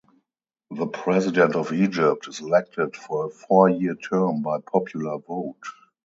The President of Egypt is elected for a four-year term by popular vote.